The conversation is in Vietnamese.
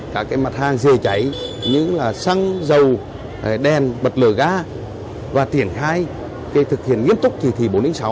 các mặt hàng dễ cháy như xăng dầu đèn vật lửa ga và triển khai thực hiện nghiêm túc chỉ thị bốn trăm linh sáu